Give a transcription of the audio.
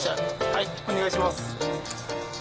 はいお願いします。